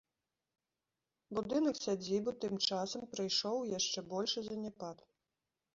Будынак сядзібы тым часам прыйшоў у яшчэ большы заняпад.